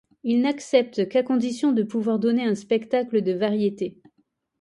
Il n'accepte qu'à condition de pouvoir donner un spectacle de variétés.